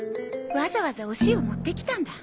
わざわざお塩持ってきたんだ。